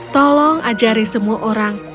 tolong ajari semua orang